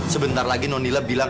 sebentar lagi nonila bilang